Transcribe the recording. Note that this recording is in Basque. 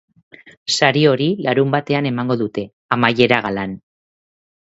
Sari hori larunbatean emango dute, amaiera galan.